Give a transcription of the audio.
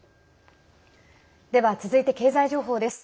では続いて経済情報です。